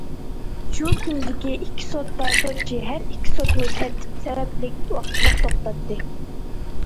شۇ كۈندىكى ئىككى سوتتا، سوتچى ھەر ئىككى سوتنى تەرتىپ سەۋەبلىك ۋاقىتلىق توختاتتى.